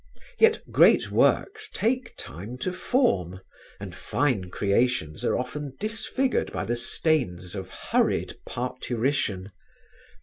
Yet great works take time to form, and fine creations are often disfigured by the stains of hurried parturition.